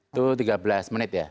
itu tiga belas menit ya